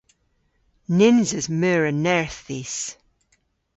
Nyns eus meur a nerth dhis.